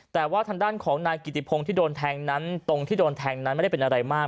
แต่ว่าทางด้านของนายกิติพงศ์ที่โดนแทงนั้นตรงที่โดนแทงนั้นไม่ได้เป็นอะไรมาก